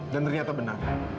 dan ternyata benar